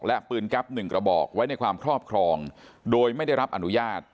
และปืนแก๊ป๑กระบอกไว้ในความครอบครองโดยไม่ได้รับอนุญาต